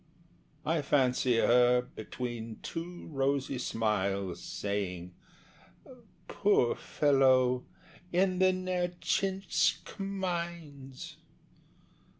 I fancy her, between two rosy smiles, Saying, "Poor fellow, in the Nertchinsk mines!"